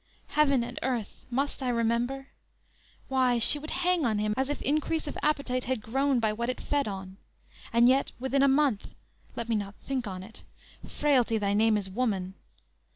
Heaven and earth! Must I remember? Why, she would hang on him, As if increase of appetite had grown By what it fed on; and yet, within a month Let me not think on it frailty, thy name is woman!